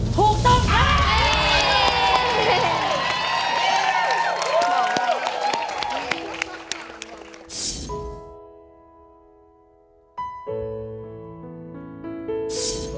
ถูกต้องครับ